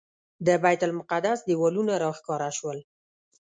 د بیت المقدس دیوالونه راښکاره شول.